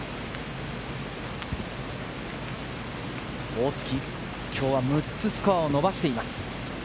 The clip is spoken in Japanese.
大槻、今日は６つスコアを伸ばしています。